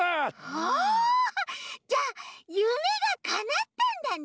おじゃあゆめがかなったんだね！